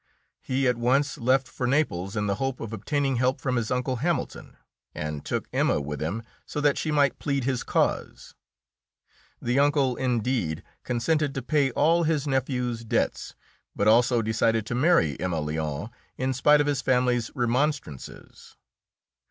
He at once left for Naples in the hope of obtaining help from his Uncle Hamilton, and took Emma with him so that she might plead his cause. The uncle, indeed, consented to pay all his nephew's debts, but also decided to marry Emma Lyon in spite of his family's remonstrances.